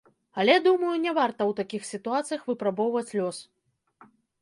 Але, думаю, не варта ў такіх сітуацыях выпрабоўваць лёс.